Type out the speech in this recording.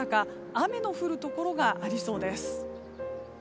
雨の降るところがありそうです。